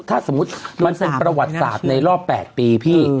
ถ้าสมมุติมันเป็นประวัติศาสตร์ในรอบ๘ปีพี่